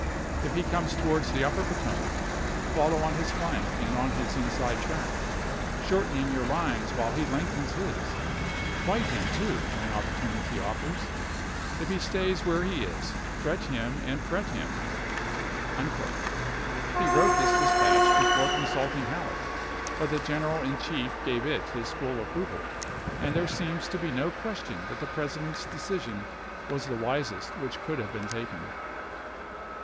If he comes towards the Upper Potomac, Lincoln f ollow on his flank and on his inside track, shorten to Hooker, ' i863Unw°k m& y°ur nnes while he lengthens his; fight him, too, xxvii., when opportunity offers. If he stays where he is, *j?%5.'' fret him and fret him." He wrote this dispatch be fore consulting Halleck, but the general in chief gave it his full approval; and there seems to be no question that the President's decision was the wisest which could have been taken.